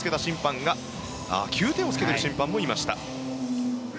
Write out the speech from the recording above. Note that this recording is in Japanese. ９点をつけた審判もいました。